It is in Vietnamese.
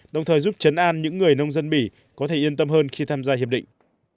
đồng thời giúp chấn an những người nông dân bỉ có thể yên tâm hơn khi tham gia hiệp định